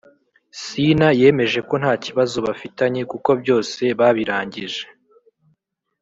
Sina yemeje ko nta kibazo bafitanye kuko byose babirangije